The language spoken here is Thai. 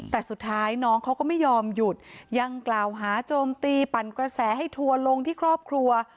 แต่สุดท้ายน้องเขาก็ไม่ยอมหยุดยังกล่าวหาโจมตีปั่นกระแสให้ทัวร์ลงที่ครอบครัว